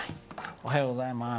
おはようございます。